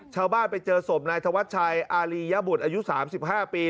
ชาวบ้านไปเจอสมนายทวัดชัยอารียะบุตรอายุ๓๕ปี